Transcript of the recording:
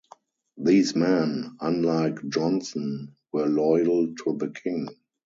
These men, unlike Jonson, were loyal to the king.